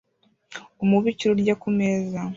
Umubikira urya ku meza